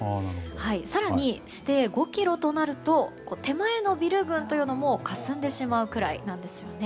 更に、視程５ｋｍとなると手前のビル群もかすんでしまうくらいなんですよね。